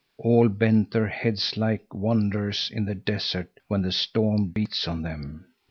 All bent their heads like wanderers in the desert, when the storm beats on them.